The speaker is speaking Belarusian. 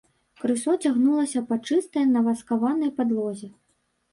Крысо цягнулася па чыстай наваскаванай падлозе.